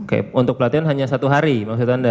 oke untuk pelatihan hanya satu hari maksud anda